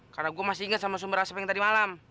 karena gue masih ingat sama sumber asap yang tadi malam